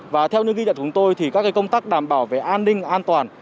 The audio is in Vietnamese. và theo những ghi nhận của chúng tôi thì các công tác đảm bảo về an ninh an toàn